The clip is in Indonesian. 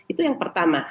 itu yang pertama